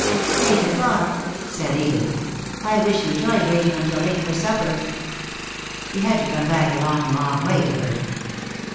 "Eight o'clock!" said Edith. "I wish you joy, waiting until eight for supper." He had to come back a long, long way to her.